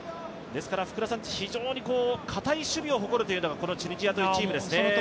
ですから非常に堅い守備を誇るというのがこのチュニジアというチームですね。